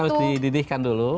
tapi harus dididihkan dulu